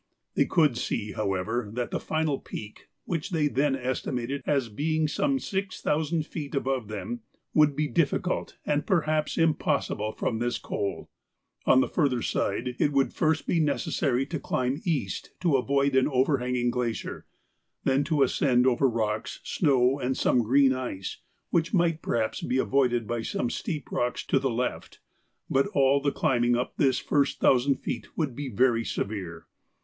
They could see, however, that the final peak, which they then estimated as being some six thousand feet above them, would be difficult and perhaps impossible from this col. On the further side it would first be necessary to climb east to avoid an overhanging glacier; then to ascend over rocks, snow, and some green ice which might perhaps be avoided by some steep rocks to the left, but all the climbing up this first thousand feet would be very severe.